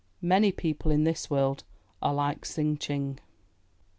'* Many people in this world are like Tsing Ching.